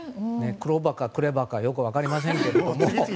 クローバーかクレバーかよく分かりませんけれども。